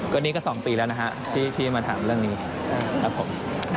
ก็นี่ก็๒ปีแล้วนะฮะที่มาถามเรื่องนี้ครับผม